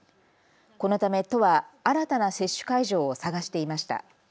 このため都は新たな接種会場を探していました。